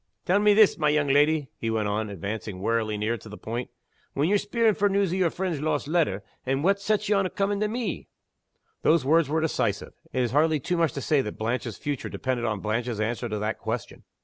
"Tell me this, my young leddy," he went on, advancing warily near to the point. "When ye're speering for news o' your friend's lost letter what sets ye on comin' to me?" Those words were decisive. It is hardly too much to say that Blanche's future depended on Blanche's answer to that question.